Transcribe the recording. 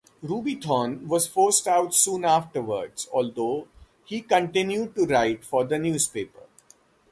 Rubython was forced out soon afterwards although he continued to write for the newspaper.